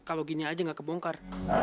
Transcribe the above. kalau gini aja nggak kebongkar